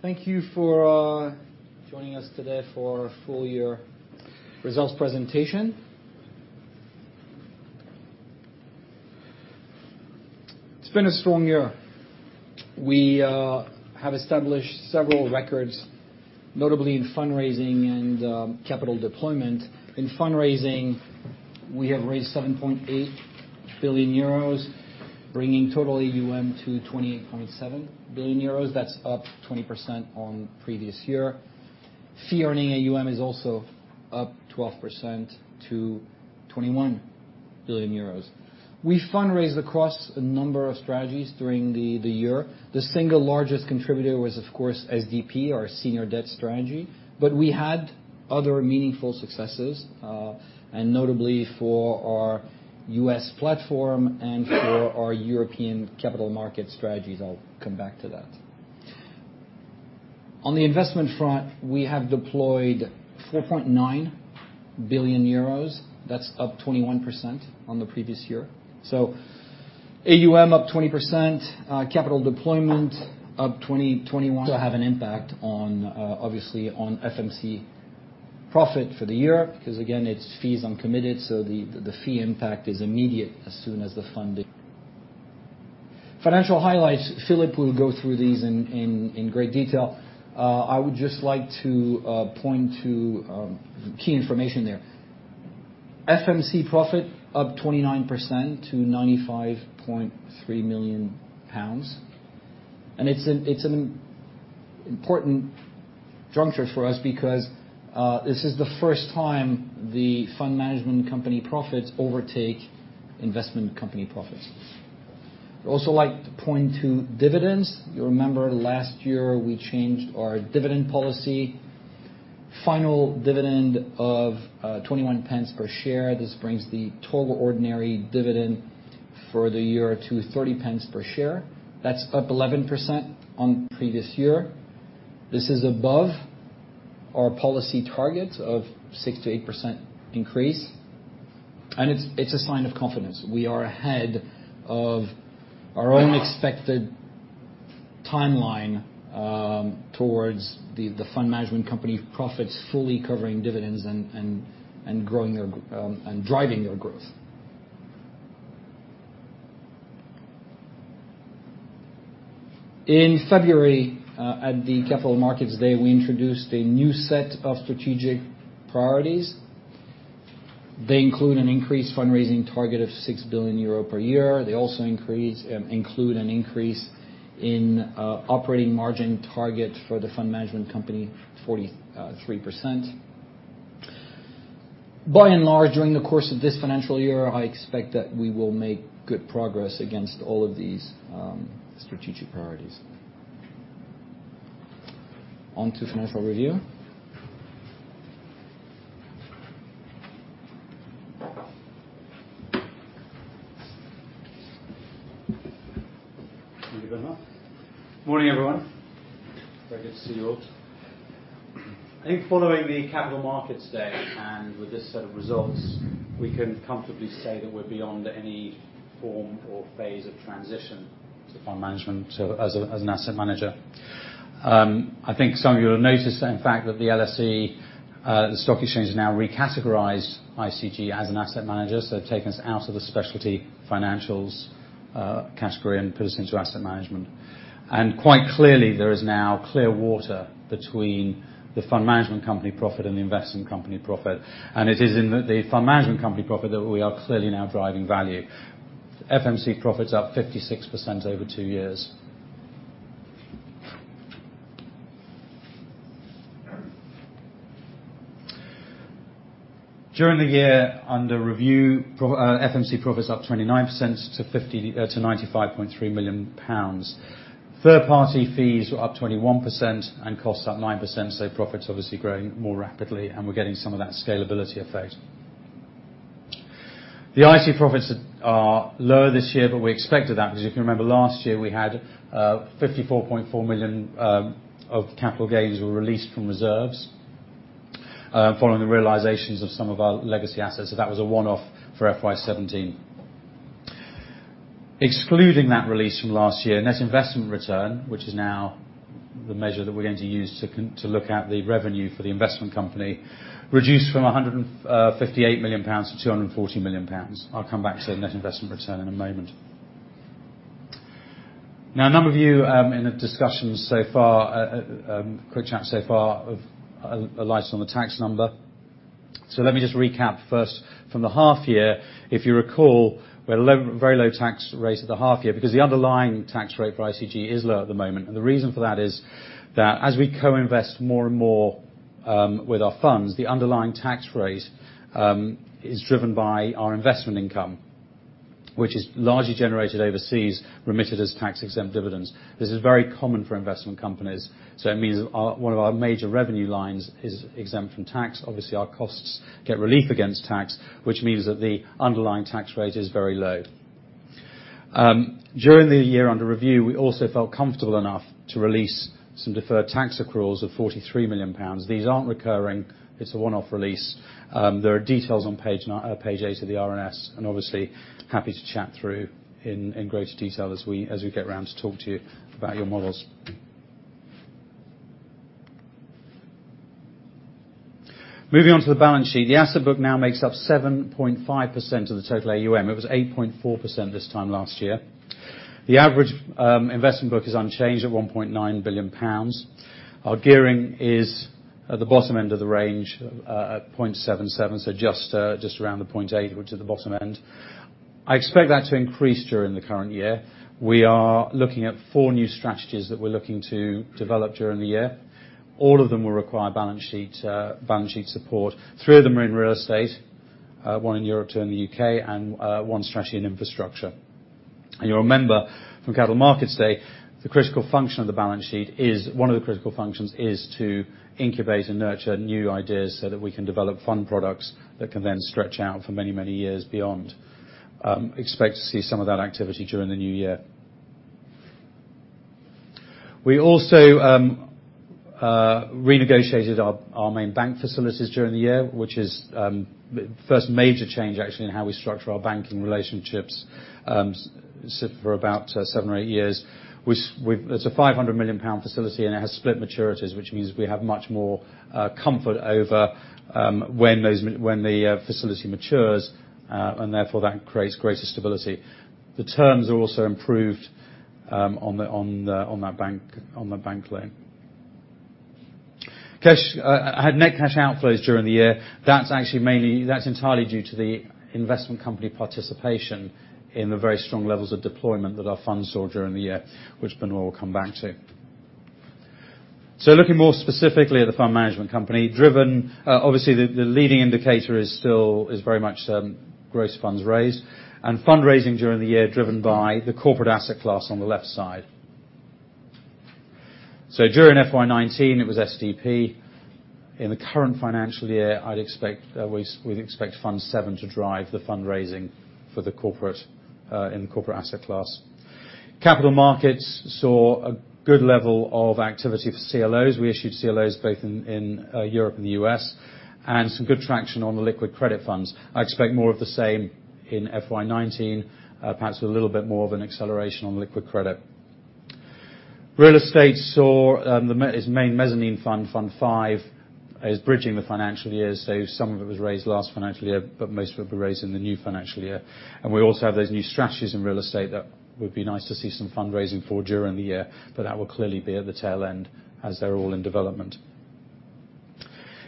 Thank you for joining us today for our full year results presentation. It has been a strong year. We have established several records, notably in fundraising and capital deployment. In fundraising, we have raised 7.8 billion euros, bringing total AUM to 28.7 billion euros. That is up 20% on previous year. Fee earning AUM is also up 12% to 21 billion euros. We fundraised across a number of strategies during the year. The single largest contributor was, of course, SDP, our senior debt strategy, but we had other meaningful successes, notably for our U.S. platform and for our European capital market strategies. I will come back to that. On the investment front, we have deployed 4.9 billion euros. That is up 21% on the previous year. AUM up 20%, capital deployment up 20%, 21%. To have an impact, obviously, on FMC profit for the year, because again, it is fees on committed capital, so the fee impact is immediate as soon as the funding. Financial highlights. Philip will go through these in great detail. I would just like to point to the key information there. FMC profit up 29% to 95.3 million pounds. It is an important juncture for us because this is the first time the fund management company profits overtake investment company profits. I would also like to point to dividends. You remember last year we changed our dividend policy. Final dividend of 0.21 per share. This brings the total ordinary dividend for the year to 0.30 per share. That is up 11% on previous year. This is above our policy target of 6%-8% increase. It is a sign of confidence. We are ahead of our own expected timeline towards the fund management company profits fully covering dividends and driving their growth. In February, at the Capital Markets Day, we introduced a new set of strategic priorities. They include an increased fundraising target of 6 billion euro per year. They also include an increase in operating margin target for the fund management company, 43%. By and large, during the course of this financial year, I expect that we will make good progress against all of these strategic priorities. On to financial review. Thank you very much. Morning, everyone. Very good to see you all. I think following the Capital Markets Day and with this set of results, we can comfortably say that we are beyond any form or phase of transition to fund management as an asset manager. I think some of you will have noticed, in fact, that the LSE, the stock exchange, has now recategorized ICG as an asset manager. They have taken us out of the specialty financials category and put us into asset management. Quite clearly, there is now clear water between the fund management company profit and the investment company profit. It is in the fund management company profit that we are clearly now driving value. FMC profit is up 56% over two years. During the year under review, FMC profit is up 29% to 95.3 million pounds. Third-party fees were up 21% and costs up 9%. Profits obviously growing more rapidly and we are getting some of that scalability effect. The IC profits are lower this year, but we expected that because if you remember last year, we had 54.4 million of capital gains were released from reserves following the realizations of some of our legacy assets. That was a one-off for FY 2017. Excluding that release from last year, net investment return, which is now the measure that we are going to use to look at the revenue for the investment company, reduced from 158 million pounds to 240 million pounds. I will come back to net investment return in a moment. A number of you in the discussions so far, quick chat so far, have relied on the tax number. Let me just recap first from the half year. If you recall, we had a very low tax rate at the half year because the underlying tax rate for ICG is low at the moment. The reason for that is that as we co-invest more and more with our funds, the underlying tax rate is driven by our investment income, which is largely generated overseas, remitted as tax-exempt dividends. This is very common for investment companies. It means one of our major revenue lines is exempt from tax. Obviously, our costs get relief against tax, which means that the underlying tax rate is very low. During the year under review, we also felt comfortable enough to release some deferred tax accruals of 43 million pounds. These are not recurring. It is a one-off release. There are details on page eight of the RNS, obviously, happy to chat through in greater detail as we get round to talk to you about your models. Moving on to the balance sheet. The asset book now makes up 7.5% of the total AUM. It was 8.4% this time last year. The average investment book is unchanged at 1.9 billion pounds. Our gearing is at the bottom end of the range at 0.77, just around the 0.8, which is the bottom end. I expect that to increase during the current year. We are looking at four new strategies that we are looking to develop during the year. All of them will require balance sheet support. Three of them are in real estate, one in Europe, two in the U.K., and one strategy in infrastructure. You will remember from Capital Markets Day, one of the critical functions is to incubate and nurture new ideas so that we can develop fund products that can then stretch out for many, many years beyond. Expect to see some of that activity during the new year. We also renegotiated our main bank facilities during the year, which is the first major change actually in how we structure our banking relationships for about seven or eight years. It is a 500 million pound facility and it has split maturities, which means we have much more comfort over when the facility matures, and therefore that creates greater stability. The terms are also improved on the bank loan. Cash. I had net cash outflows during the year. That's entirely due to the investment company participation in the very strong levels of deployment that our funds saw during the year, which Benoît will come back to. Looking more specifically at the fund management company. Obviously the leading indicator is very much gross funds raised. Fundraising during the year driven by the corporate asset class on the left side. During FY 2019 it was SDP. In the current financial year, we'd expect Fund VII to drive the fundraising in the corporate asset class. Capital markets saw a good level of activity for CLOs. We issued CLOs both in Europe and the U.S., and some good traction on the Liquid Credit funds. I expect more of the same in FY 2019. Perhaps with a little bit more of an acceleration on Liquid Credit. Real estate saw its main mezzanine fund, Fund V, as bridging the financial years. Some of it was raised last financial year, but most of it will be raised in the new financial year. We also have those new strategies in real estate that would be nice to see some fundraising for during the year. That will clearly be at the tail end as they're all in development.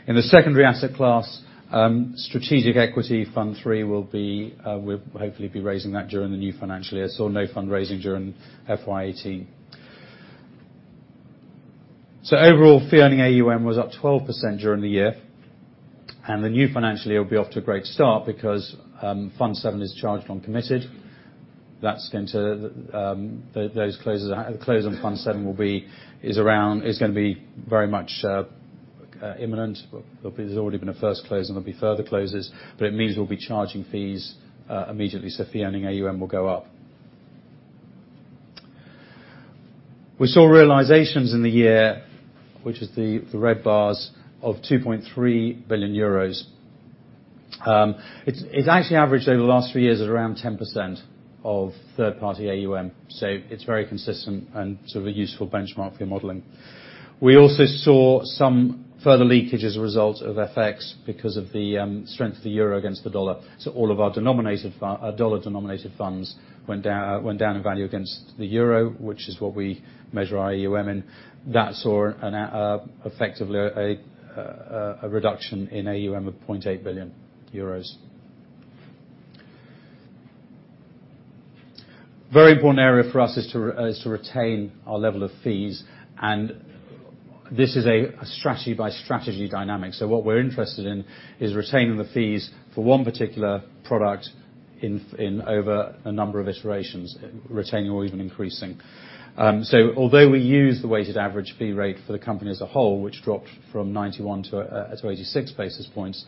In the secondary asset class, Strategic Equity Fund III will hopefully be raising that during the new financial year, saw no fundraising during FY 2018. Overall fee earning AUM was up 12% during the year. The new financial year will be off to a great start because Fund VIIis charged on committed. The close on Fund VIIis going to be very much imminent. There's already been a first close and there'll be further closes. It means we'll be charging fees immediately, so fee earning AUM will go up. We saw realizations in the year, which is the red bars, of €2.3 billion. It's actually averaged over the last three years at around 10% of third-party AUM. It's very consistent and sort of a useful benchmark for your modeling. We also saw some further leakage as a result of FX because of the strength of the euro against the dollar. All of our dollar-denominated funds went down in value against the euro, which is what we measure our AUM in. That saw effectively a reduction in AUM of €0.8 billion. Very important area for us is to retain our level of fees, and this is a strategy by strategy dynamic. What we're interested in is retaining the fees for one particular product over a number of iterations, retaining or even increasing. Although we use the weighted average fee rate for the company as a whole, which dropped from 91 to 86 basis points,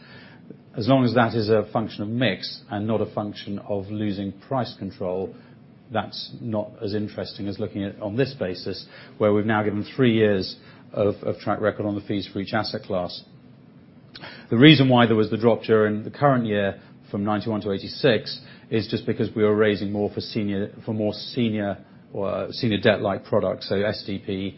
as long as that is a function of mix and not a function of losing price control, that's not as interesting as looking at on this basis, where we've now given three years of track record on the fees for each asset class. The reason why there was the drop during the current year from 91 to 86 is just because we are raising more for more senior debt-like products. SDP,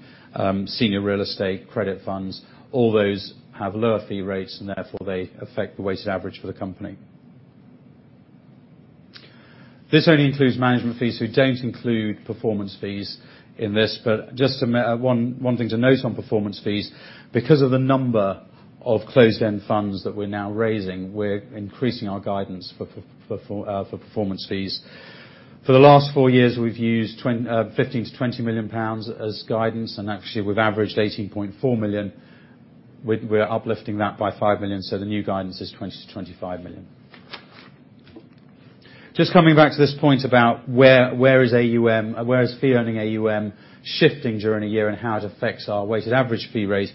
senior real estate credit funds, all those have lower fee rates and therefore they affect the weighted average for the company. This only includes management fees, we don't include performance fees in this. Just one thing to note on performance fees, because of the number of closed-end funds that we are now raising, we are increasing our guidance for performance fees. For the last four years we have used 15 million-20 million pounds as guidance, and actually we have averaged 18.4 million. We are uplifting that by 5 million, so the new guidance is 20 million-25 million. Just coming back to this point about where is fee earning AUM shifting during a year and how it affects our weighted average fee rate.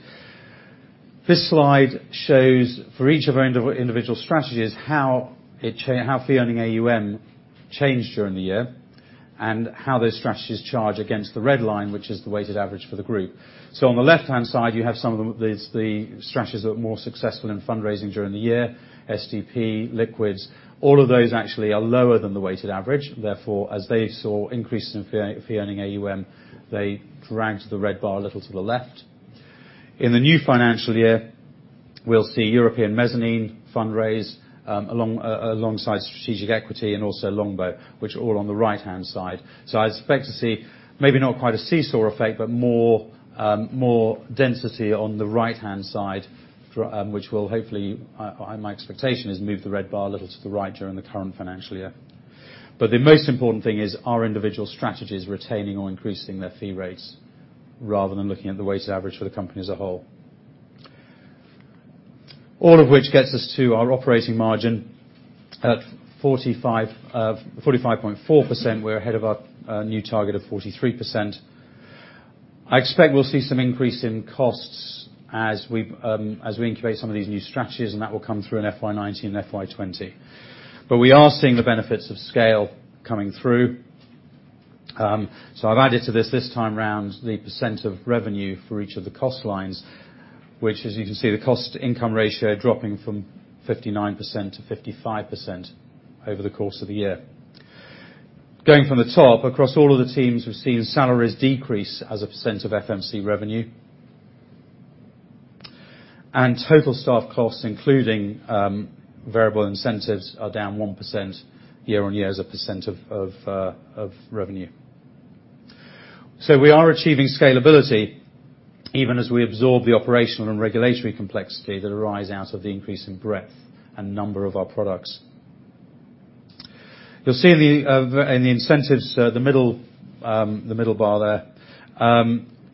This slide shows for each of our individual strategies how fee earning AUM changed during the year, and how those strategies charge against the red line, which is the weighted average for the group. On the left-hand side, you have some of the strategies that were more successful in fundraising during the year, SDP, Liquid Credit, all of those actually are lower than the weighted average. Therefore, as they saw increases in fee earning AUM, they dragged the red bar a little to the left. In the new financial year, we will see European Mezzanine fundraise alongside Strategic Equity and also Longboat, which are all on the right-hand side. I expect to see maybe not quite a seesaw effect, but more density on the right-hand side, which will hopefully, my expectation, is move the red bar a little to the right during the current financial year. The most important thing is are individual strategies retaining or increasing their fee rates rather than looking at the weighted average for the company as a whole. All of which gets us to our operating margin at 45.4%, we are ahead of our new target of 43%. I expect we will see some increase in costs as we incubate some of these new strategies, and that will come through in FY 2019 and FY 2020. We are seeing the benefits of scale coming through. I have added to this time around, the percent of revenue for each of the cost lines, which as you can see, the cost-to-income ratio dropping from 59%-55% over the course of the year. Going from the top, across all of the teams, we have seen salaries decrease as a percent of FMC revenue. Total staff costs, including variable incentives, are down 1% year-on-year as a percent of revenue. We are achieving scalability even as we absorb the operational and regulatory complexity that arise out of the increase in breadth and number of our products. You will see in the incentives, the middle bar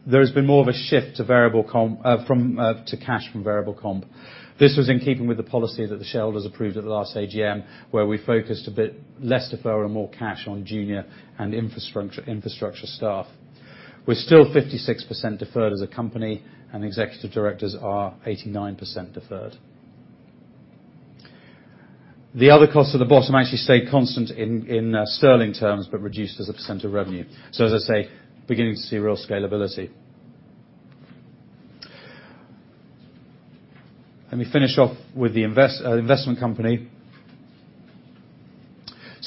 there has been more of a shift to cash from variable comp. This was in keeping with the policy that the shareholders approved at the last AGM, where we focused a bit less deferral and more cash on junior and infrastructure staff. We are still 56% deferred as a company, and executive directors are 89% deferred. The other costs at the bottom actually stay constant in GBP terms, but reduced as a percent of revenue. As I say, beginning to see real scalability. We finish off with the investment company.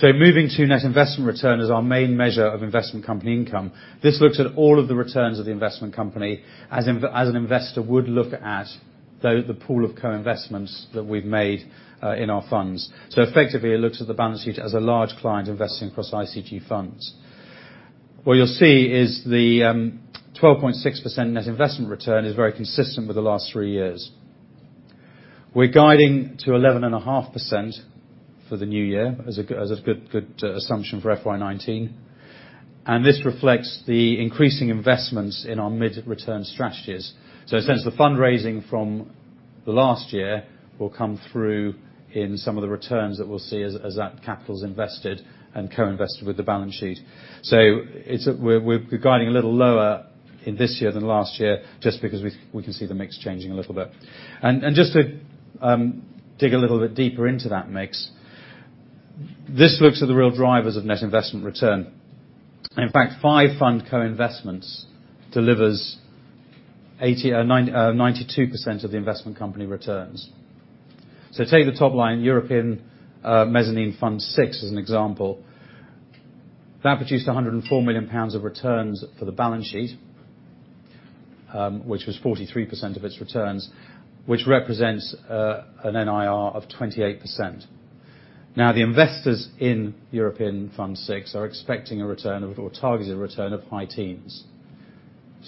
Moving to net investment return as our main measure of investment company income. This looks at all of the returns of the investment company, as an investor would look at the pool of co-investments that we've made in our funds. Effectively it looks at the balance sheet as a large client investing across ICG funds. What you'll see is the 12.6% net investment return is very consistent with the last three years. We're guiding to 11.5% for the new year as a good assumption for FY 2019. This reflects the increasing investments in our mid-return strategies. In a sense, the fundraising from last year will come through in some of the returns that we'll see as that capital's invested and co-invested with the balance sheet. We're guiding a little lower in this year than last year just because we can see the mix changing a little bit. Just to dig a little bit deeper into that mix, this looks at the real drivers of net investment return. In fact, five fund co-investments delivers 92% of the investment company returns. Take the top line, European Mezzanine Fund VI as an example. That produced 104 million pounds of returns for the balance sheet, which was 43% of its returns, which represents an NIR of 28%. Now, the investors in European Fund VI are expecting a return or targeted return of high teens.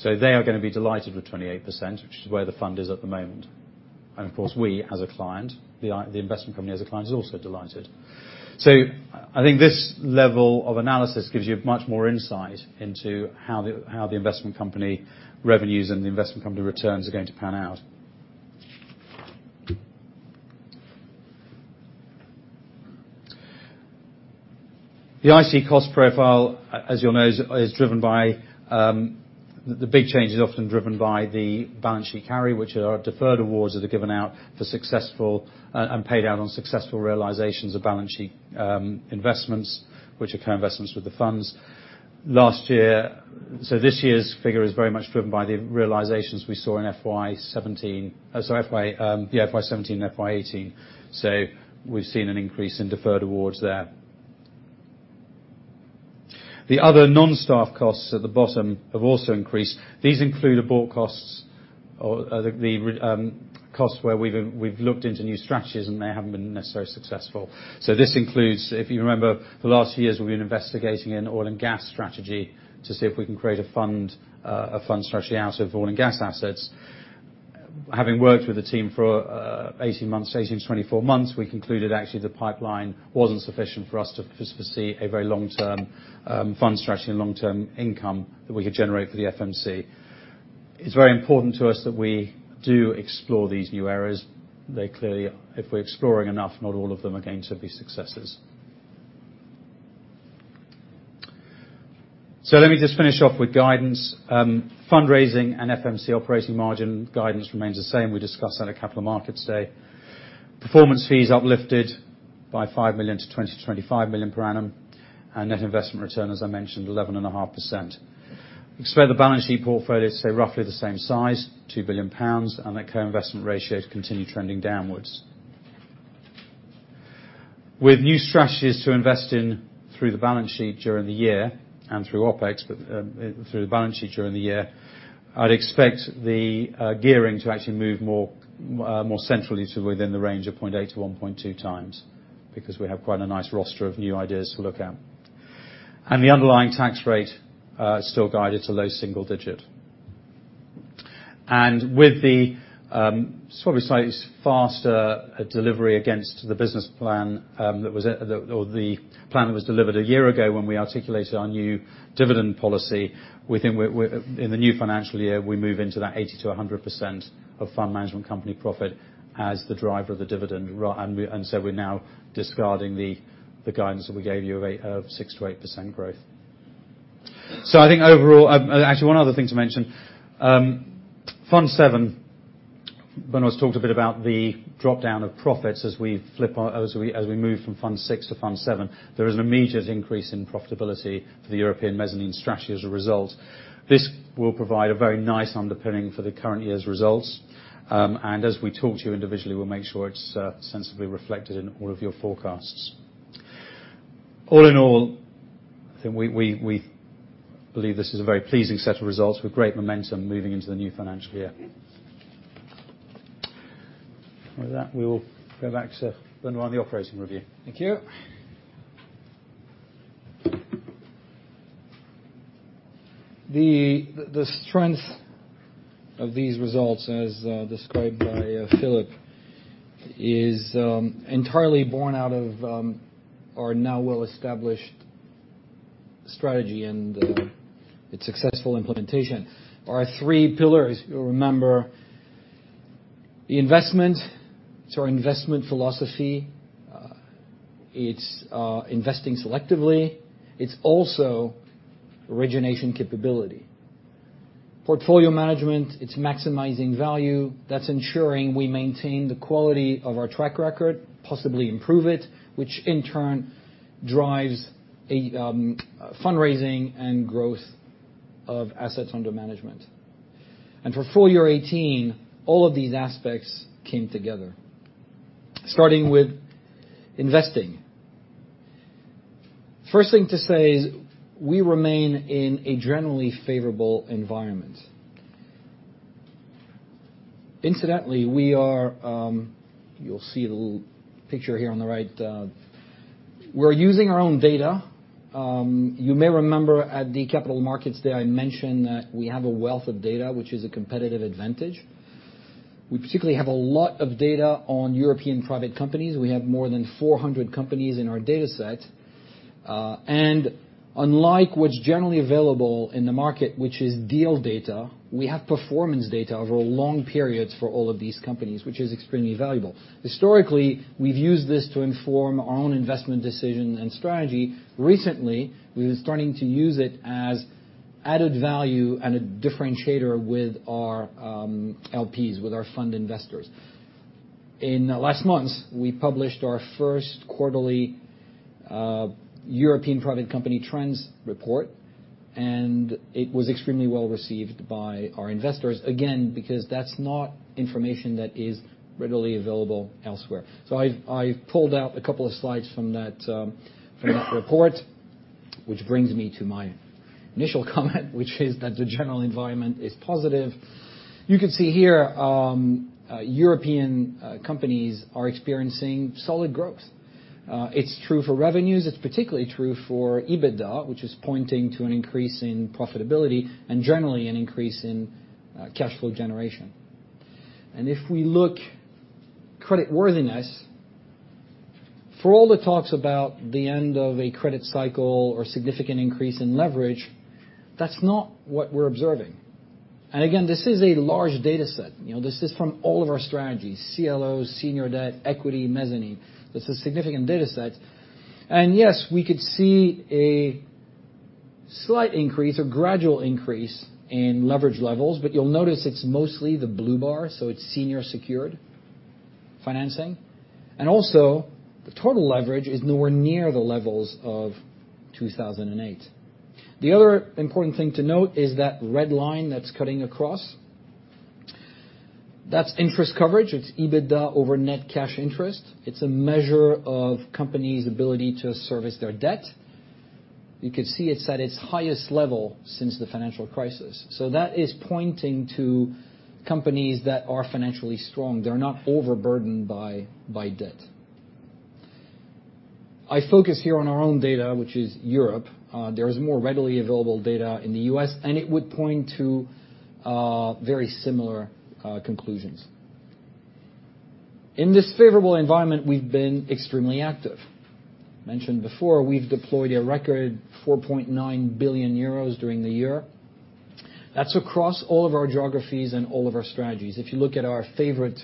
They are going to be delighted with 28%, which is where the fund is at the moment. Of course, we as a client, the investment company as a client, is also delighted. I think this level of analysis gives you much more insight into how the investment company revenues and the investment company returns are going to pan out. The IC cost profile, as you'll know, the big change is often driven by the balance sheet carry, which are our deferred awards that are given out for successful and paid out on successful realizations of balance sheet investments, which are co-investments with the funds. This year's figure is very much driven by the realizations we saw in FY 2017, FY 2018. We've seen an increase in deferred awards there. The other non-staff costs at the bottom have also increased. These include abort costs or the costs where we've looked into new strategies, and they haven't been necessarily successful. This includes, if you remember the last few years, we've been investigating an oil and gas strategy to see if we can create a fund strategy out of oil and gas assets. Having worked with the team for 18 months to 24 months, we concluded actually the pipeline wasn't sufficient for us to foresee a very long-term fund strategy and long-term income that we could generate for the FMC. It's very important to us that we do explore these new areas. If we're exploring enough, not all of them are going to be successes. Let me just finish off with guidance. Fundraising and FMC operating margin guidance remains the same. We discussed that at Capital Markets Day. Performance fee is uplifted by 5 million to 20 million-25 million per annum. Net investment return, as I mentioned, 11.5%. Expect the balance sheet portfolio to stay roughly the same size, 2 billion pounds, and that co-investment ratio to continue trending downwards. With new strategies to invest in through the balance sheet during the year, and through OpEx, but through the balance sheet during the year, I'd expect the gearing to actually move more centrally to within the range of 0.8 to 1.2 times, because we have quite a nice roster of new ideas to look at. The underlying tax rate, still guided to low single-digit. With the slightly faster delivery against the business plan, or the plan that was delivered one year ago when we articulated our new dividend policy. In the new financial year, we move into that 80%-100% of fund management company profit as the driver of the dividend. We're now discarding the guidance that we gave you of 6%-8% growth. Actually, one other thing to mention. Fund VII, Benoît's talked a bit about the drop-down of profits as we move from Fund VI to Fund VII. There is an immediate increase in profitability for the European Mezzanine strategy as a result. This will provide a very nice underpinning for the current year's results. As we talk to you individually, we'll make sure it's sensibly reflected in all of your forecasts. All in all, I think we believe this is a very pleasing set of results with great momentum moving into the new financial year. With that, we will go back to Benoît on the operating review. Thank you. The strength of these results, as described by Philip, is entirely born out of our now well-established strategy and its successful implementation. Our three pillars, you'll remember. The investment, it's our investment philosophy. It's investing selectively. It's also origination capability. Portfolio management, it's maximizing value. That's ensuring we maintain the quality of our track record, possibly improve it, which in turn drives fundraising and growth of assets under management. For FY 2018, all of these aspects came together. Starting with investing. First thing to say is we remain in a generally favorable environment. Incidentally, you'll see the little picture here on the right. We're using our own data. You may remember at the Capital Markets Day I mentioned that we have a wealth of data, which is a competitive advantage. We particularly have a lot of data on European private companies. We have more than 400 companies in our dataset. Unlike what's generally available in the market, which is deal data, we have performance data over long periods for all of these companies, which is extremely valuable. Historically, we've used this to inform our own investment decision and strategy. Recently, we've been starting to use it as added value and a differentiator with our LPs, with our fund investors. In the last months, we published our first quarterly European private company trends report, and it was extremely well-received by our investors, again, because that's not information that is readily available elsewhere. I pulled out a couple of slides from that report, which brings me to my initial comment, which is that the general environment is positive. You can see here European companies are experiencing solid growth. It's true for revenues. It's particularly true for EBITDA, which is pointing to an increase in profitability and generally an increase in cash flow generation. If we look creditworthiness, for all the talks about the end of a credit cycle or significant increase in leverage, that's not what we're observing. Again, this is a large dataset. This is from all of our strategies, CLOs, senior debt, equity, mezzanine. This is significant dataset. Yes, we could see a slight increase or gradual increase in leverage levels, but you'll notice it's mostly the blue bar, so it's senior secured financing. Also, the total leverage is nowhere near the levels of 2008. The other important thing to note is that red line that's cutting across, that's interest coverage. It's EBITDA over net cash interest. It's a measure of companies' ability to service their debt. You could see it's at its highest level since the financial crisis. That is pointing to companies that are financially strong. They're not overburdened by debt. I focus here on our own data, which is Europe. There is more readily available data in the U.S., and it would point to very similar conclusions. In this favorable environment, we've been extremely active. Mentioned before, we've deployed a record 4.9 billion euros during the year. That's across all of our geographies and all of our strategies. If you look at our favorite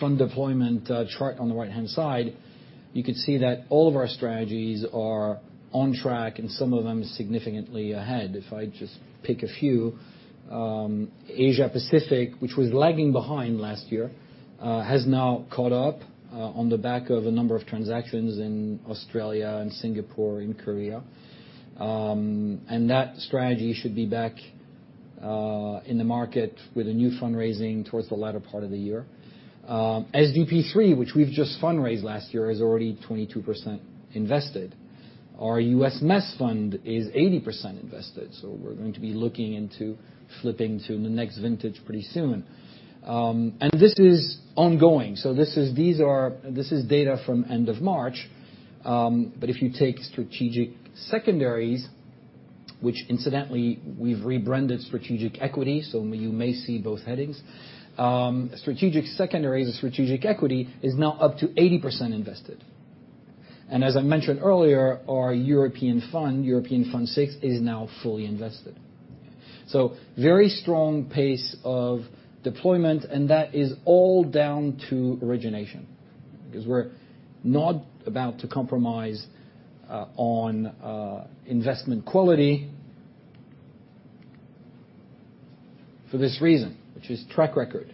fund deployment chart on the right-hand side, you could see that all of our strategies are on track, and some of them significantly ahead. If I just pick a few, Asia Pacific, which was lagging behind last year, has now caught up on the back of a number of transactions in Australia and Singapore, in Korea. That strategy should be back in the market with a new fundraising towards the latter part of the year. SDP III, which we've just fundraised last year, is already 22% invested. Our U.S. Mezz fund is 80% invested, so we're going to be looking into flipping to the next vintage pretty soon. This is ongoing. This is data from end of March. If you take Strategic Secondaries, which incidentally, we've rebranded Strategic Equity, so you may see both headings. Strategic Secondary to Strategic Equity is now up to 80% invested. As I mentioned earlier, our European fund, European Fund VI, is now fully invested. Very strong pace of deployment, and that is all down to origination, because we're not about to compromise on investment quality for this reason, which is track record.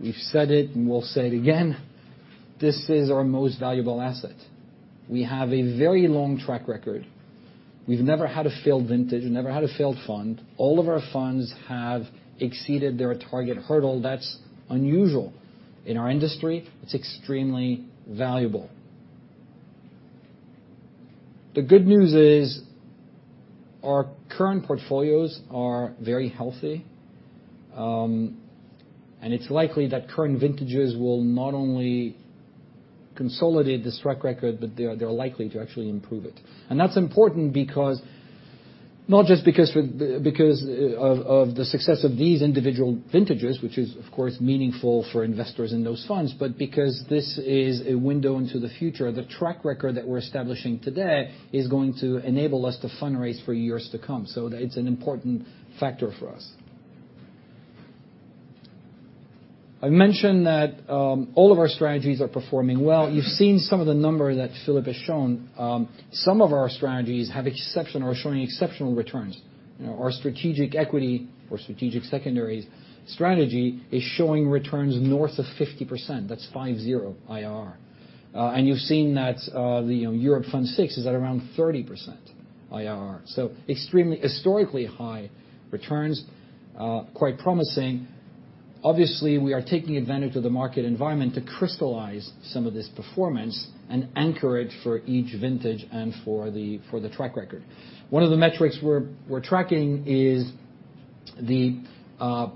We've said it and we'll say it again, this is our most valuable asset. We have a very long track record. We've never had a failed vintage. We've never had a failed fund. All of our funds have exceeded their target hurdle. That's unusual. In our industry, it's extremely valuable. The good news is our current portfolios are very healthy. It's likely that current vintages will not only consolidate this track record, but they're likely to actually improve it. That's important not just because of the success of these individual vintages, which is, of course, meaningful for investors in those funds, but because this is a window into the future. The track record that we're establishing today is going to enable us to fundraise for years to come. That it's an important factor for us. I mentioned that all of our strategies are performing well. You've seen some of the numbers that Philip has shown. Some of our strategies are showing exceptional returns. Our Strategic Equity or Strategic Secondaries strategy is showing returns north of 50%, that's 50 IRR. You've seen that the Europe Fund VI is at around 30% IRR. Extremely historically high returns, quite promising. Obviously, we are taking advantage of the market environment to crystallize some of this performance and anchor it for each vintage and for the track record. One of the metrics we're tracking is the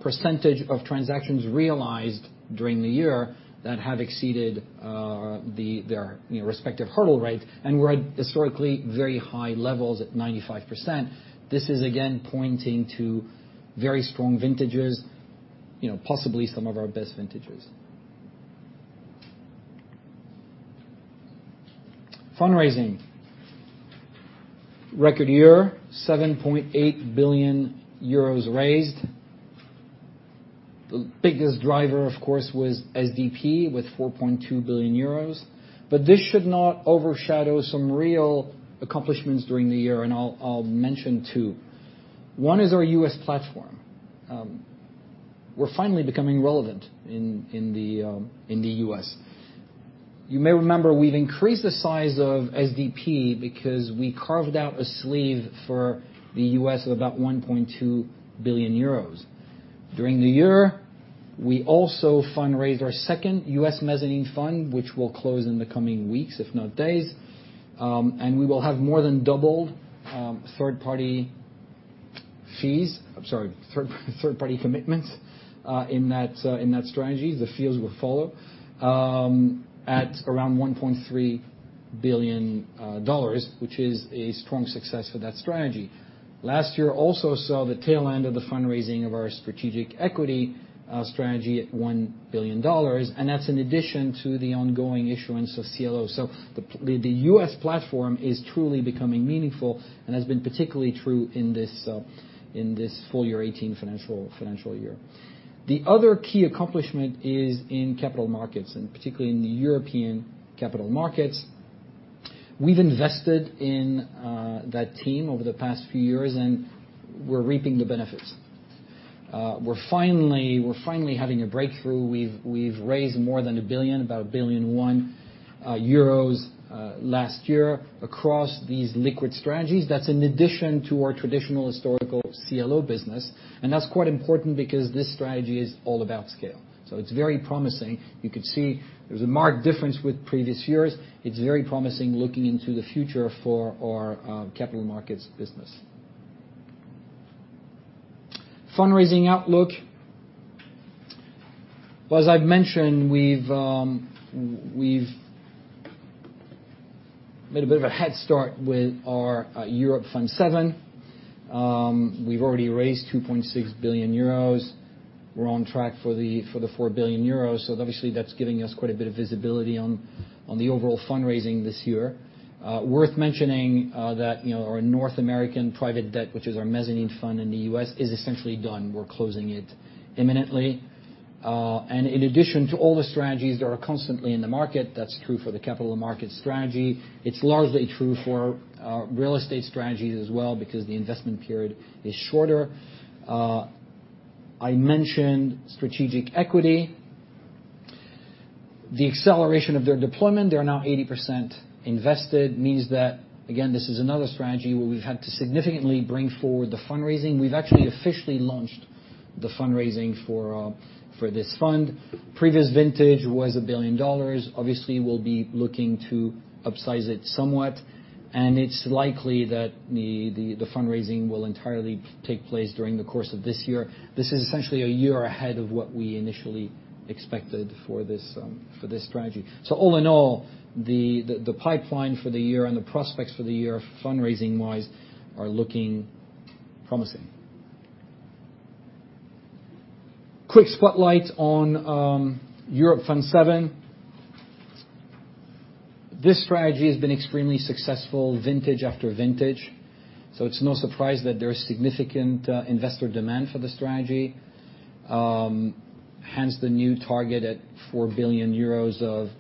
percentage of transactions realized during the year that have exceeded their respective hurdle rate and were at historically very high levels at 95%. This is, again, pointing to very strong vintages, possibly some of our best vintages. Fundraising. Record year, EUR 7.8 billion raised. The biggest driver, of course, was SDP with 4.2 billion euros. This should not overshadow some real accomplishments during the year, and I'll mention two. One is our U.S. platform. We're finally becoming relevant in the U.S. You may remember we've increased the size of SDP because we carved out a sleeve for the U.S. of about 1.2 billion euros. During the year, we also fundraised our second U.S. mezzanine fund, which will close in the coming weeks, if not days. We will have more than doubled third-party commitments in that strategy. The fees will follow at around GBP 1.3 billion, which is a strong success for that strategy. Last year also saw the tail end of the fundraising of our Strategic Equity strategy at GBP 1 billion, and that's in addition to the ongoing issuance of CLO. The U.S. platform is truly becoming meaningful and has been particularly true in this full year '18 financial year. The other key accomplishment is in capital markets, particularly in the European capital markets. We've invested in that team over the past few years, and we're reaping the benefits. We're finally having a breakthrough. We've raised more than 1 billion, about 1.1 billion last year across these liquid strategies. That's an addition to our traditional historical CLO business, and that's quite important because this strategy is all about scale. It's very promising. You could see there's a marked difference with previous years. It's very promising looking into the future for our capital markets business. Fundraising outlook. Well, as I've mentioned, we've made a bit of a head start with our Europe Fund VII. We've already raised 2.6 billion euros. We're on track for the 4 billion euros. Obviously, that's giving us quite a bit of visibility on the overall fundraising this year. Worth mentioning, that our North American Private Debt, which is our mezzanine fund in the U.S., is essentially done. We're closing it imminently. In addition to all the strategies that are constantly in the market, that's true for the capital market strategy. It's largely true for our real estate strategies as well because the investment period is shorter. I mentioned Strategic Equity. The acceleration of their deployment, they're now 80% invested, means that, again, this is another strategy where we've had to significantly bring forward the fundraising. We've actually officially launched the fundraising for this fund. Previous vintage was 1 billion dollars. Obviously, we'll be looking to upsize it somewhat, and it's likely that the fundraising will entirely take place during the course of this year. This is essentially a year ahead of what we initially expected for this strategy. All in all, the pipeline for the year and the prospects for the year fundraising-wise are looking promising. Quick spotlight on Europe Fund VII. This strategy has been extremely successful vintage after vintage, so it's no surprise that there is significant investor demand for the strategy. Hence, the new target at 4 billion euros of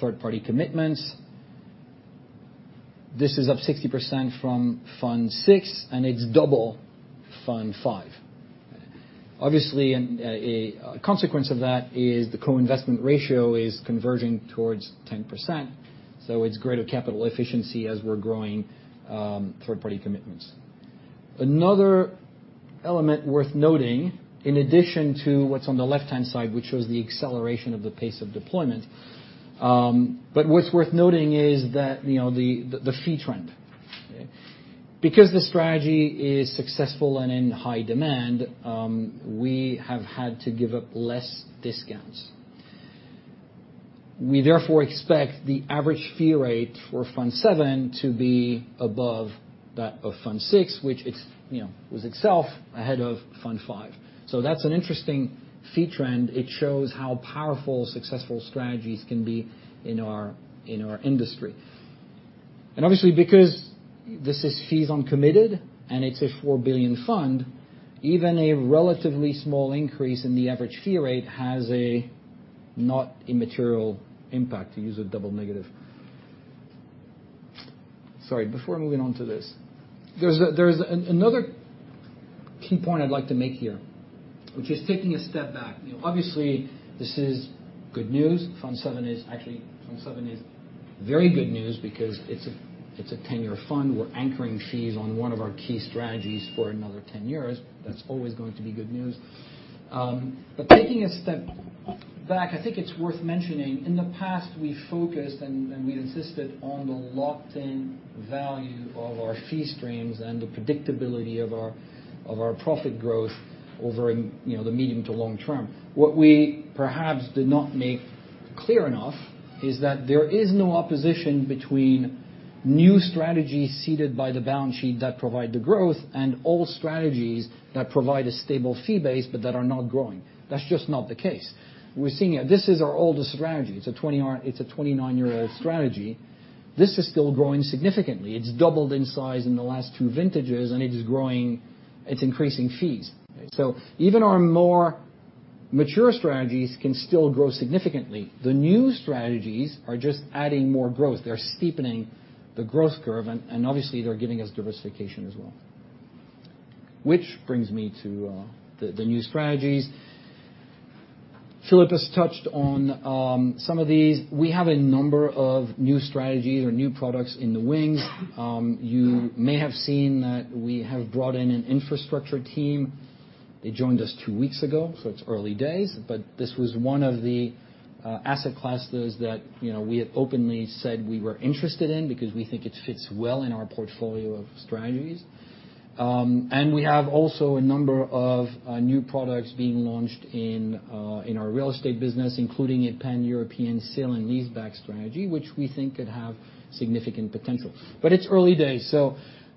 third-party commitments. This is up 60% from Fund VI, and it's double Fund V. Obviously, a consequence of that is the co-investment ratio is converging towards 10%, so it's greater capital efficiency as we're growing third-party commitments. Another element worth noting, in addition to what's on the left-hand side, which shows the acceleration of the pace of deployment. What's worth noting is that the fee trend. Because the strategy is successful and in high demand, we have had to give up less discounts. We therefore expect the average fee rate for Fund VII to be above that of Fund VI, which was itself ahead of Fund V. That's an interesting fee trend. It shows how powerful successful strategies can be in our industry. Obviously, because this is fees on committed and it's a 4 billion fund, even a relatively small increase in the average fee rate has a not immaterial impact, to use a double negative. Sorry, before moving on to this, there is another key point I'd like to make here, which is taking a step back. Obviously, this is good news. Fund VII is very good news because it's a 10-year fund. We're anchoring fees on one of our key strategies for another 10 years. That's always going to be good news. Taking a step back, I think it's worth mentioning, in the past, we focused and we insisted on the locked-in value of our fee streams and the predictability of our profit growth over the medium to long term. What we perhaps did not make clear enough is that there is no opposition between new strategies seeded by the balance sheet that provide the growth and old strategies that provide a stable fee base but that are not growing. That's just not the case. We're seeing it. This is our oldest strategy. It's a 29-year-old strategy. This is still growing significantly. It's doubled in size in the last two vintages, and it's increasing fees. Even our more mature strategies can still grow significantly. The new strategies are just adding more growth. They're steepening the growth curve, and obviously, they're giving us diversification as well. Which brings me to the new strategies. Philip has touched on some of these. We have a number of new strategies or new products in the wings. You may have seen that we have brought in an infrastructure team. They joined us two weeks ago, so it's early days, but this was one of the asset classes that we had openly said we were interested in because we think it fits well in our portfolio of strategies. We have also a number of new products being launched in our real estate business, including a pan-European sale and leaseback strategy, which we think could have significant potential. It's early days.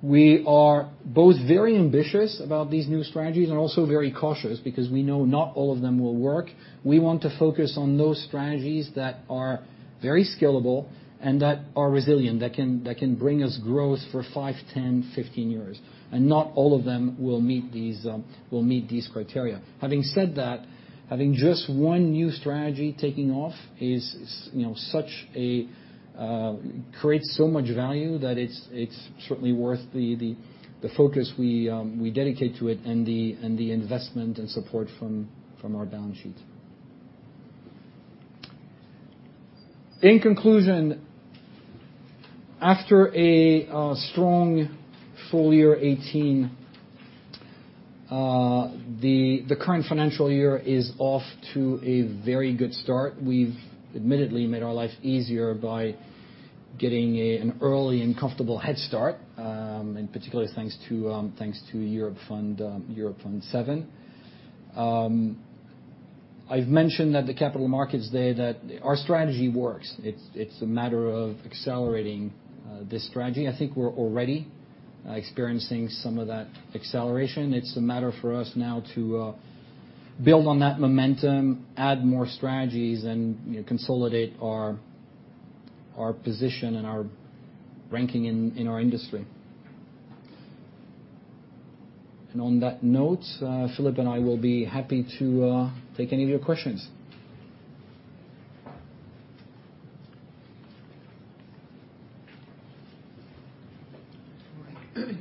We are both very ambitious about these new strategies and also very cautious because we know not all of them will work. We want to focus on those strategies that are very scalable and that are resilient, that can bring us growth for five, 10, 15 years. Not all of them will meet these criteria. Having said that, having just one new strategy taking off creates so much value that it's certainly worth the focus we dedicate to it and the investment and support from our balance sheet. In conclusion, after a strong full year 2018, the current financial year is off to a very good start. We've admittedly made our life easier by getting an early and comfortable head start, in particular thanks to Europe Fund VII. I've mentioned at the Capital Markets Day that our strategy works. It's a matter of accelerating this strategy. I think we're already experiencing some of that acceleration. It's a matter for us now to build on that momentum, add more strategies, and consolidate our position and our ranking in our industry. On that note, Philip and I will be happy to take any of your questions.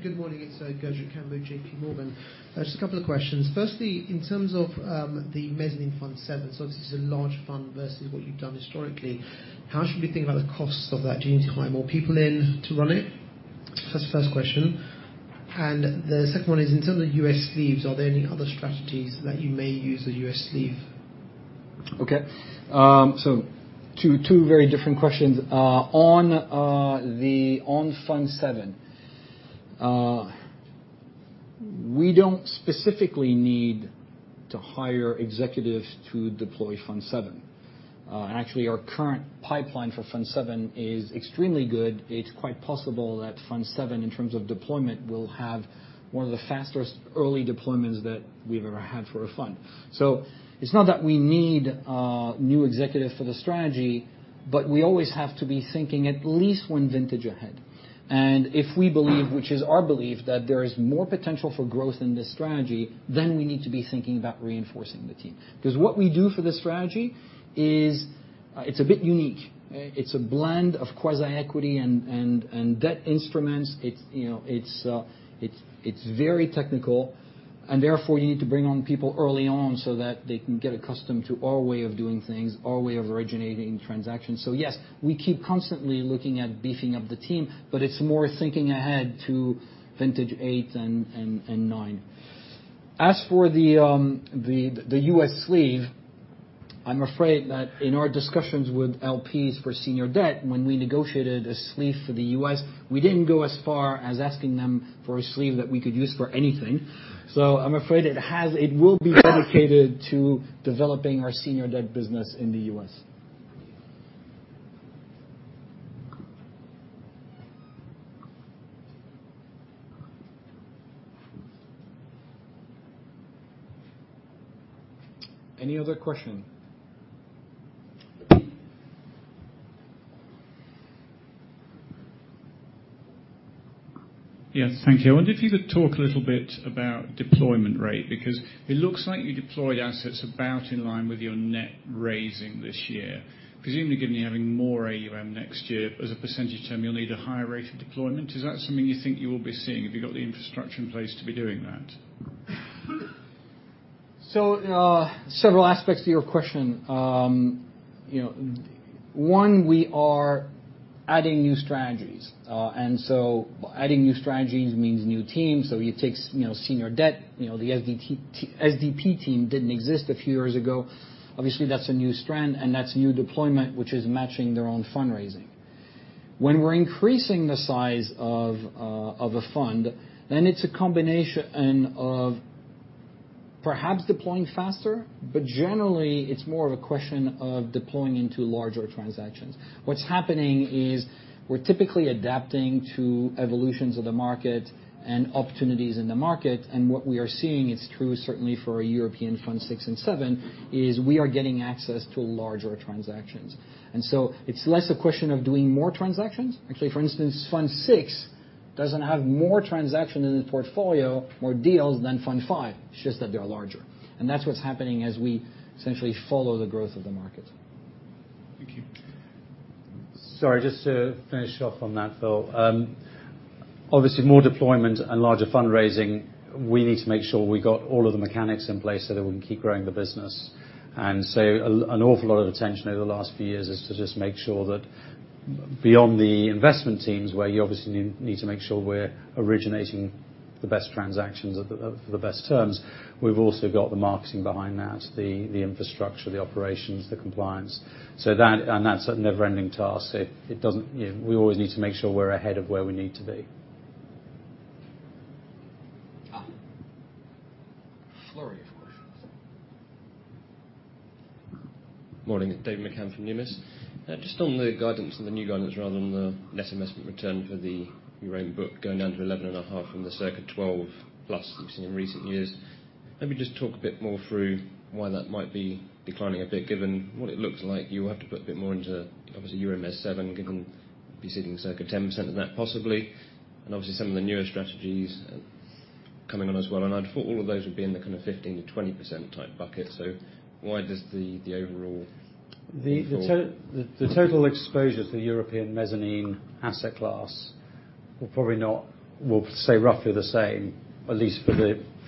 Good morning. It's Gurjit Kambo, J.P. Morgan. Just a couple of questions. Firstly, in terms of the Mezzanine Fund VII, obviously this is a large fund versus what you've done historically. How should we think about the costs of that? Do you need to hire more people in to run it? That's the first question. The second one is, in terms of the U.S. sleeves, are there any other strategies that you may use the U.S. sleeve? Okay. Two very different questions. On Fund VII, we don't specifically need to hire executives to deploy Fund VII. Actually, our current pipeline for Fund VII is extremely good. It's quite possible that Fund VII, in terms of deployment, will have one of the fastest early deployments that we've ever had for a fund. It's not that we need a new executive for the strategy, but we always have to be thinking at least one vintage ahead. If we believe, which is our belief, that there is more potential for growth in this strategy, then we need to be thinking about reinforcing the team. What we do for this strategy is a bit unique. It's a blend of quasi-equity and debt instruments. It's very technical and therefore you need to bring on people early on so that they can get accustomed to our way of doing things, our way of originating transactions. Yes, we keep constantly looking at beefing up the team, but it's more thinking ahead to vintage 8 and 9. As for the U.S. sleeve, I'm afraid that in our discussions with LPs for senior debt, when we negotiated a sleeve for the U.S., we didn't go as far as asking them for a sleeve that we could use for anything. I'm afraid it will be dedicated to developing our senior debt business in the U.S. Any other question? Yes. Thank you. I wonder if you could talk a little bit about deployment rate, because it looks like you deployed assets about in line with your net raising this year. Presumably, given you're having more AUM next year, as a percentage term, you'll need a higher rate of deployment. Is that something you think you will be seeing? Have you got the infrastructure in place to be doing that? Several aspects to your question. One, we are adding new strategies. Adding new strategies means new teams. It takes Senior Debt, the SDP team didn't exist a few years ago. Obviously, that's a new strand and that's new deployment, which is matching their own fundraising. When we're increasing the size of a fund, then it's a combination of perhaps deploying faster, but generally, it's more of a question of deploying into larger transactions. What's happening is we're typically adapting to evolutions of the market and opportunities in the market. What we are seeing, it's true certainly for European Fund VI and VII, is we are getting access to larger transactions. It's less a question of doing more transactions. Actually, for instance, Fund VI doesn't have more transaction in the portfolio or deals than Fund V. It's just that they are larger. That's what's happening as we essentially follow the growth of the market. Thank you. Sorry, just to finish off on that, Philip. An awful lot of attention over the last few years is to just make sure that beyond the investment teams, where you obviously need to make sure we're originating the best transactions for the best terms, we've also got the marketing behind that, the infrastructure, the operations, the compliance. That's a never-ending task. We always need to make sure we're ahead of where we need to be. A flurry of questions. Morning. David McCann from Numis. Just on the guidance, or the new guidance rather, on the net investment return for your own book going down to 11.5% from the circa 12% plus we've seen in recent years. Maybe just talk a bit more through why that might be declining a bit, given what it looks like you will have to put a bit more into, obviously, Euromezz VII, given preceding circa 10% of that possibly, and obviously some of the newer strategies coming on as well. I'd thought all of those would be in the kind of 15%-20% type bucket. Why does the overall? The total exposure to the European Mezzanine asset class will stay roughly the same, at least for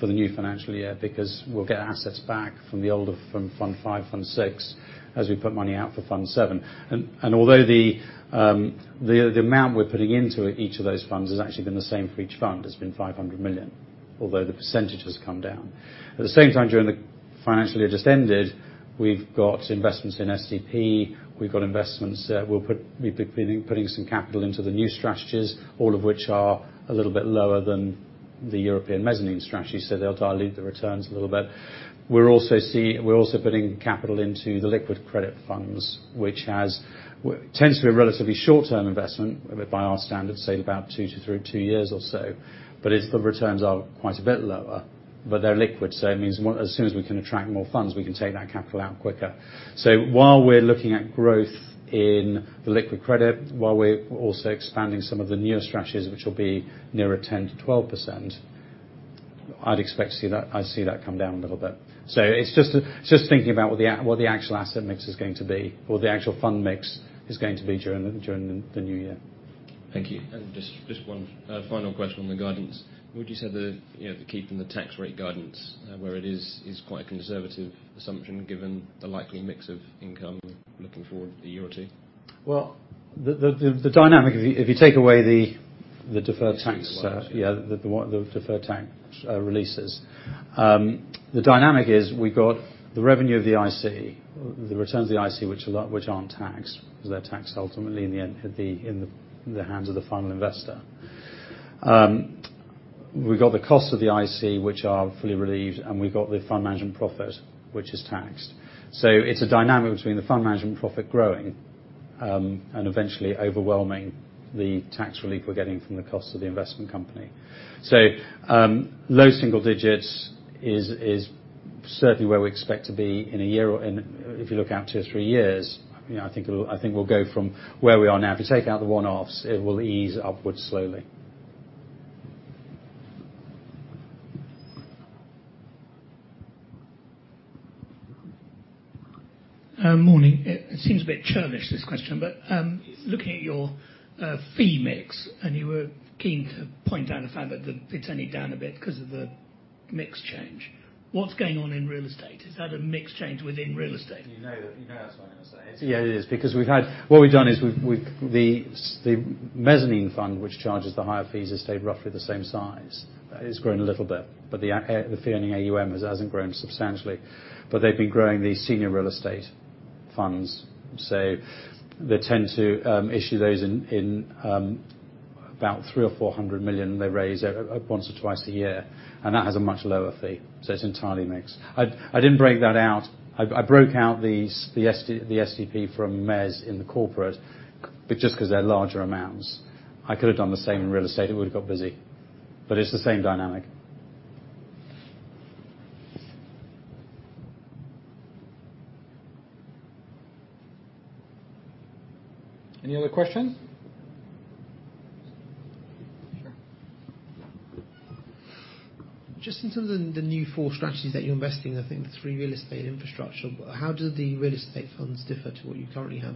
the new financial year, because we'll get assets back from the older Fund V, Fund VI, as we put money out for Fund VII. Although the amount we're putting into each of those funds has actually been the same for each fund, it's been 500 million, although the percentage has come down. At the same time, during the financial year just ended, we've got investments in SDP, we've got investments. We've been putting some capital into the new strategies, all of which are a little bit lower than The European Mezzanine strategy, they'll dilute the returns a little bit. We're also putting capital into the Liquid Credit funds, which tends to be a relatively short-term investment by our standards, say about two to two years or so. The returns are quite a bit lower, but they're liquid, it means as soon as we can attract more funds, we can take that capital out quicker. While we're looking at growth in the Liquid Credit, while we're also expanding some of the newer strategies, which will be nearer 10%-12%, I'd expect to see that come down a little bit. It's just thinking about what the actual asset mix is going to be, or the actual fund mix is going to be during the new year. Thank you. Just one final question on the guidance. Would you say keeping the tax rate guidance where it is quite a conservative assumption given the likely mix of income looking forward a year or two? Well, the dynamic, if you take away. The deferred tax the deferred tax releases. The dynamic is we got the revenue of the IC, the returns of the IC which aren't taxed, because they're taxed ultimately in the hands of the final investor. We've got the cost of the IC, which are fully relieved, and we've got the fund management profit, which is taxed. It's a dynamic between the fund management profit growing, and eventually overwhelming the tax relief we're getting from the cost of the investment company. Low single digits is certainly where we expect to be in a year. If you look out two or three years, I think we'll go from where we are now. If you take out the one-offs, it will ease upwards slowly. Morning. It seems a bit churlish, this question. Looking at your fee mix, and you were keen to point out the fact that it's only down a bit because of the mix change. What's going on in real estate? Is that a mix change within real estate? You know that's what I'm going to say. Yeah, it is. What we've done is the mezzanine fund, which charges the higher fees, has stayed roughly the same size. It's grown a little bit. The fee earning AUM hasn't grown substantially. They've been growing the senior real estate credit funds. They tend to issue those in about 300 million or 400 million, they raise it once or twice a year, and that has a much lower fee. It's entirely mixed. I didn't break that out. I broke out the SDP from Mezz in the corporate, but just because they're larger amounts. I could have done the same in real estate. It would have got busy. It's the same dynamic. Any other questions? Sure. Just in terms of the new 4 strategies that you're investing in, I think the three real estate infrastructure. How do the real estate funds differ to what you currently have?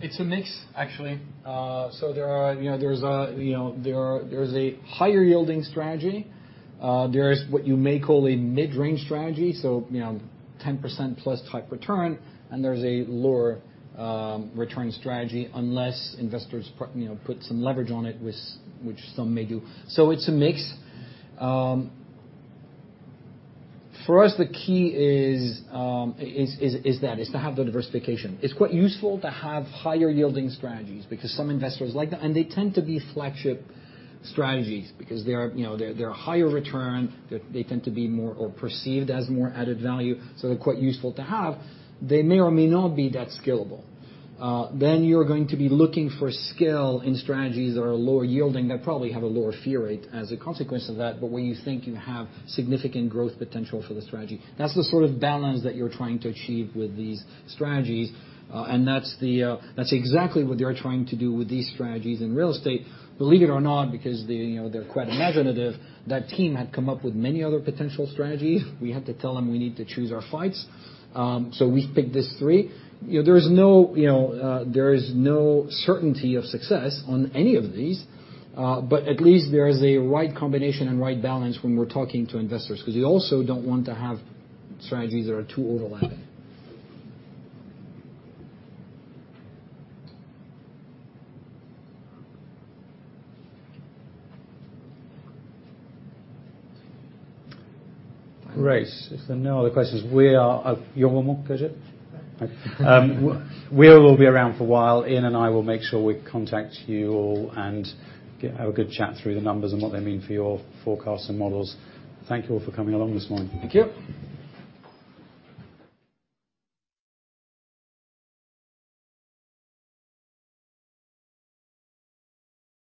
It's a mix, actually. There's a higher yielding strategy. There is what you may call a mid-range strategy, so 10%-plus type return, and there's a lower return strategy unless investors put some leverage on it, which some may do. It's a mix. For us, the key is to have the diversification. It's quite useful to have higher yielding strategies because some investors like that. They tend to be flagship strategies because they're higher return. They tend to be more or perceived as more added value, so they're quite useful to have. They may or may not be that scalable. You're going to be looking for scale in strategies that are lower yielding, that probably have a lower fee rate as a consequence of that, but where you think you have significant growth potential for the strategy. That's the sort of balance that you're trying to achieve with these strategies, that's exactly what they are trying to do with these strategies in real estate. Believe it or not, because they're quite imaginative, that team had come up with many other potential strategies. We had to tell them we need to choose our fights. We picked these three. There is no certainty of success on any of these. At least there is a right combination and right balance when we're talking to investors, because you also don't want to have strategies that are too overlapping. Great. If there are no other questions, you have one more, Gurjit? Sure. We will be around for a while. Ian and I will make sure we contact you all and have a good chat through the numbers and what they mean for your forecasts and models. Thank you all for coming along this morning. Thank you.